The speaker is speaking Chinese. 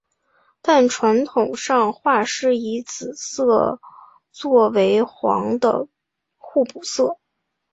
但传统上画师以紫色作为黄的互补色。